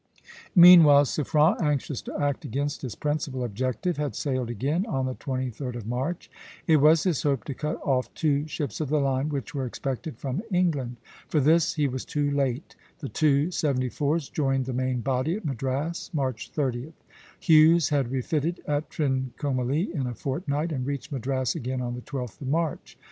Meanwhile Suffren, anxious to act against his principal objective, had sailed again on the 23d of March. It was his hope to cut off two ships of the line which were expected from England. For this he was too late; the two seventy fours joined the main body at Madras, March 30th. Hughes had refitted at Trincomalee in a fortnight, and reached Madras again on the 12th of March.